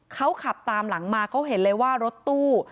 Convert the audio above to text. เขาขับตามหลังมาเขาเห็นเลยว่ารถตู้